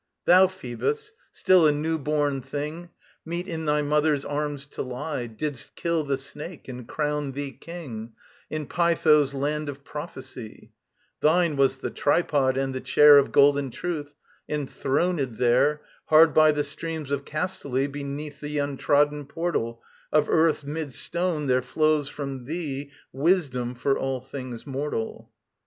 Thou, Phoebus, still a new born thing, Meet in thy mother's arms to lie, Didst kill the Snake and crown thee king, In Pytho's land of prophecy: Thine was the tripod and the chair Of golden truth; and throned there, Hard by the streams of Castaly, Beneath the untrodden portal Of Earth's mid stone there flows from thee Wisdom for all things mortal.